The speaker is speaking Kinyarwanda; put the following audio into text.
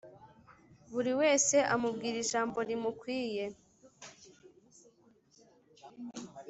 buri wese amubwira ijambo rimukwiye.